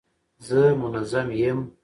زه منظم یم.